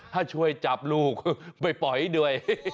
ถ้าช่วยจับลูกไปปล่อยด้วย